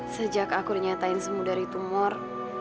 sejak aku dinyatain semu dari tumor